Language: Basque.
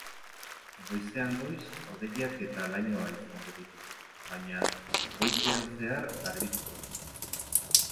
Goizean goiz hodeiak eta lainoa izango ditugu, baina goizean zehar garbituko du.